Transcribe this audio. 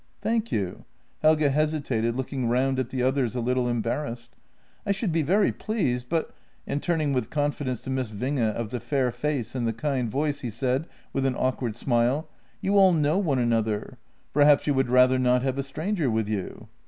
" Thank you." Helge hesitated, looking round at the others a little embarrassed. " I should be very pleased, but "— and, turning with confidence to Miss Winge of the fair face and the kind voice, he said, with an awkward smile, " you all know one another — perhaps you would rather not have a stranger with you